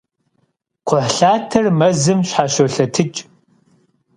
Kxhuhlhater mezım şheşolhetıç'.